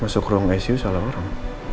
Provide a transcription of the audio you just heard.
masuk ruang icu salah orang